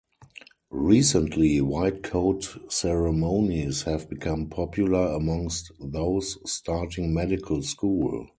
Recently, white coat ceremonies have become popular amongst those starting medical school.